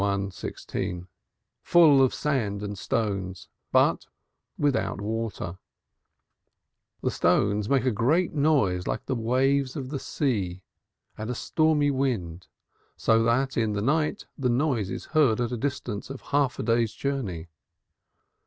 16), full of sand and stones, but without water; the stones make a great noise like the waves of the sea and a stormy wind, so that in the night the noise is heard at a distance of half a day's journey.